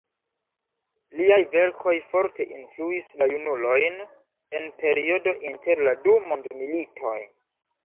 Liaj verkoj forte influis la junulojn en periodo inter la du mondmilitoj.